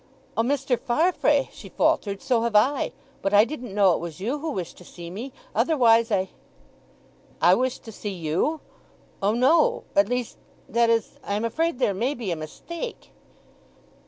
"O Mr. Farfrae," she faltered, "so have I. But I didn't know it was you who wished to see me, otherwise I—" "I wished to see you? O no—at least, that is, I am afraid there may be a mistake."